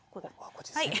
こっちですね。